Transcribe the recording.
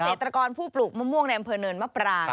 ตกรผู้ปลูกมะม่วงในอำเภอเนินมะปราง